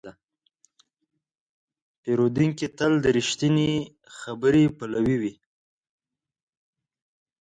پیرودونکی تل د رښتینې خبرې پلوی وي.